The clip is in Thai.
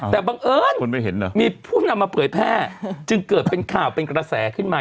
แต่บังเอิญมีผู้นำมาเผยแพร่จึงเกิดเป็นข่าวเป็นกระแสขึ้นมา